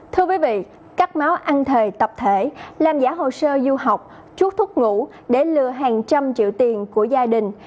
thưa quý vị cắt máu ăn thời tập thể làm giả hồ sơ du học chút thuốc ngủ để lừa hàng trăm triệu tiền của gia đình